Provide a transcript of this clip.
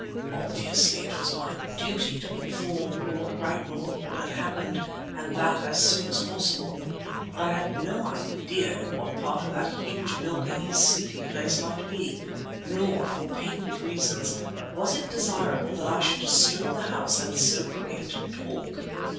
Obviously it was my duty to inform Lord Ragnall of what had happened and that as soon as possible. But I had no idea in what part of that huge building his sleeping place might be, nor, for patent reasons, was it desirable that I should disturb the house and so create talk.